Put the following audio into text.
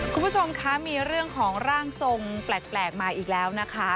คุณผู้ชมคะมีเรื่องของร่างทรงแปลกมาอีกแล้วนะคะ